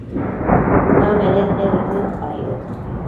ma menete nibëdpayoc